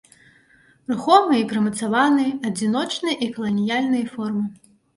Рухомыя і прымацаваныя, адзіночныя і каланіяльныя формы.